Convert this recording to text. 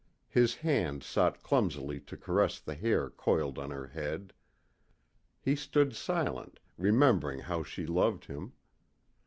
His hand sought clumsily to caress the hair coiled on her head. He stood silent, remembering how she loved him.